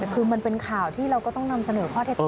คือมันเป็นข่าวที่เราก็ต้องนำเสนอข้อเท็จจริง